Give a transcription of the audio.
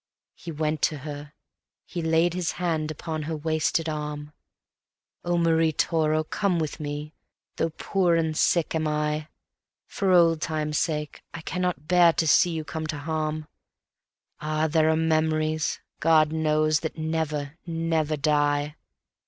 He went to her; he laid his hand upon her wasted arm: "Oh, Marie Toro, come with me, though poor and sick am I. For old times' sake I cannot bear to see you come to harm; Ah! there are memories, God knows, that never, never die.